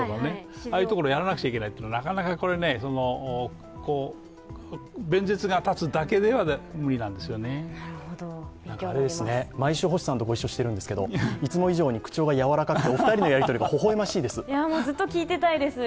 ああいうところをやらなきゃいけないってのはなかなか弁舌が立つだけじゃ毎週星さんとご一緒してるんですけどいつも以上に口調がやわらかくてお二人のやり取りが微笑ましいです。